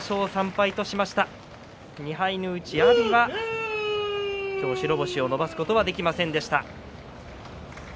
２敗のうち阿炎は今日、白星を伸ばすことができませんでした。